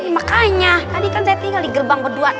makanya tadi kan saya tinggal di gerbang kedua